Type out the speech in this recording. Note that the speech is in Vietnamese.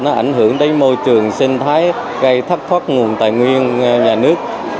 nó ảnh hưởng đến môi trường sinh thái gây thất thoát nguồn tài nguyên nhà nước